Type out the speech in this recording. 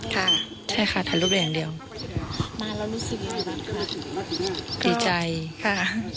ค่ะใช่ค่ะถ่ายรูปเลยอย่างเดียวมาแล้วรู้สึกอยู่หรือเปล่าพิจัยค่ะ